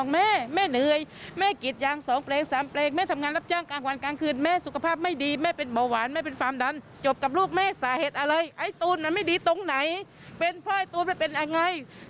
แม่แสนไม่ดีตรงไหนเป็นเพราะให้ตัวไปเป็นยังไง